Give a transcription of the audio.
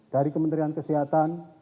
dari kementerian kesehatan